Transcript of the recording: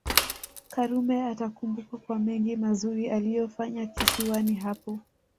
Karume atakumbukwa kwa mengi mazuri aliyoyafanya kisiwani hapo